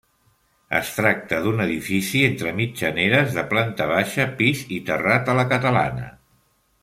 Es tracta d'un edifici entre mitjaneres de planta baixa, pis i terrat a la catalana.